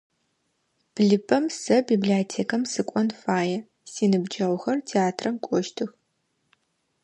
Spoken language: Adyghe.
Блыпэм сэ библиотекам сыкӏон фае, синыбджэгъухэр театрам кӏощтых.